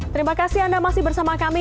terima kasih anda masih bersama kami